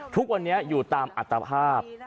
ทุกวันนี้อยู่ตามอัตภาพ